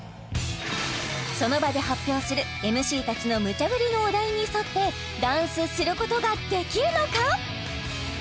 その場で発表するＭＣ達のムチャぶりのお題に沿ってダンスすることができるのか！？